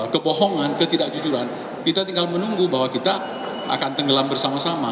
kebohongan ketidakjujuran kita tinggal menunggu bahwa kita akan tenggelam bersama sama